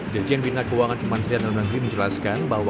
dirjen bina keuangan kemendegeri menjelaskan bahwa